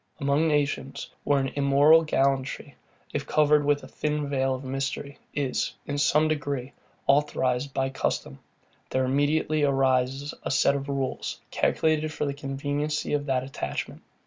Among nations, where an immoral gallantry, if covered with a thin veil of mystery, is, in some degree, authorized by custom, there immediately arise a set of rules, calculated for the conveniency of that attachment.